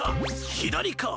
左か？